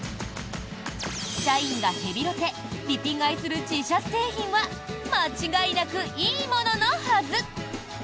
社員がヘビロテ・リピ買いする自社製品は間違いなく、いいもののはず。